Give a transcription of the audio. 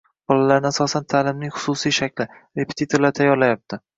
bolalarni asosan ta’limning xususiy shakli – repetitorlar tayyorlayapti.